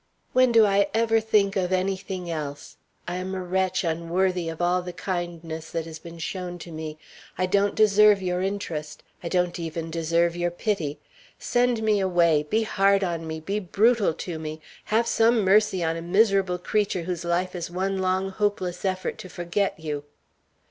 "When do I ever think of anything else! I am a wretch unworthy of all the kindness that has been shown to me. I don't deserve your interest; I don't even deserve your pity. Send me away be hard on me be brutal to me. Have some mercy on a miserable creature whose life is one long hopeless effort to forget you!"